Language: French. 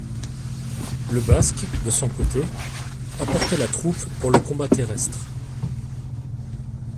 Le Basque, de son côté, apportait la troupe pour le combat terrestre.